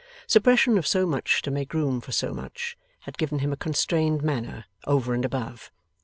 Suppression of so much to make room for so much, had given him a constrained manner, over and above.